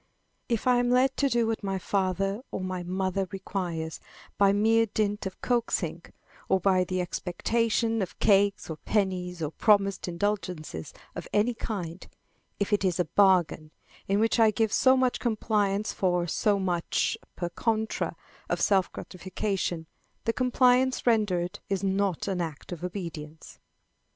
If I am led to do what my father or my mother requires, by mere dint of coaxing, or by the expectation of cakes or pennies or promised indulgence of any kind, if it is a bargain, in which I give so much compliance for so much per contra of self gratification, the compliance rendered is not an act of obedience.